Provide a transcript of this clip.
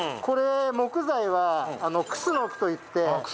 これ木材は楠といって